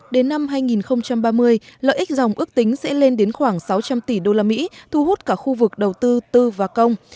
đến năm hai nghìn ba mươi lợi ích dòng ước tính sẽ lên đến khoảng sáu trăm linh tỷ usd thu hút cả khu vực đầu tư tư và công